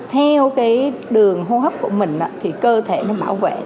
theo đường hô hấp của mình cơ thể bảo vệ